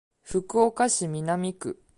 福岡市南区